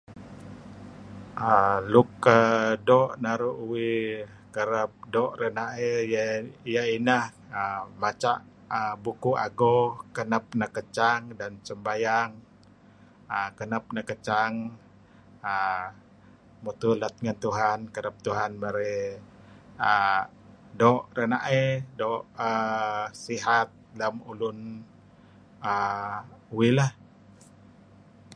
err Luk doo' kereb naru' uih kereb doo' renaey iyeh inah baca[err] bukuh ago kenep- lekechang supaya kenep lekechang err mutuh let ngan Tuhan kereb Tuhan merey err doo' rena'ey doo' err sihat lem ulun err uih lah.